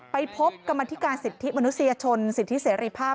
ไปพบกรรมธิการสิทธิมนุษยชนสิทธิเสรีภาพ